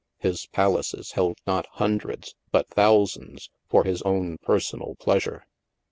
His pal aces held not hundreds, but thousands, for his own personal pleasure.